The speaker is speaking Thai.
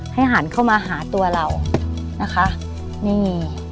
หันเข้ามาหาตัวเรานะคะนี่